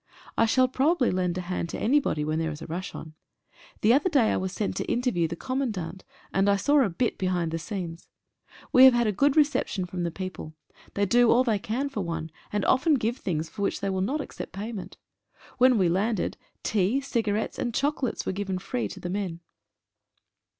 I shall probably lend a hand to anybody when there is a rush on. The other day I was sent to interview the Commandant, and saw a bit be hind the scenes. We have had a good reception from the people. They do all they can for one, and often give things for which they will not accept payment. When we landed, tea, cigarettes, and chocolates were given free to the men.